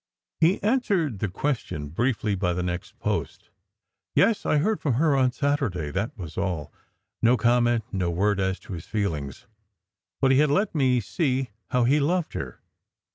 He answered the question briefly by the next post. " Yes, I heard from her on Saturday." That was all. No comment, no word as to his feelings. But he had let me see how he loved her.